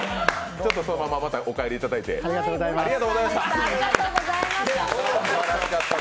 そのまま、またお帰りいただいて、ありがとうございました。